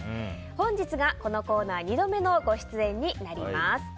本日がこのコーナー２度目のご出演になります。